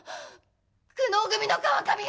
久能組の川上よ。